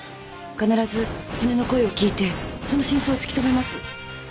必ず骨の声を聞いてその真相を突き止めます。